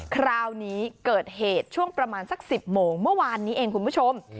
คราวนี้เกิดเหตุช่วงประมาณสัก๑๐โมงเมื่อวานนี้เองคุณผู้ชม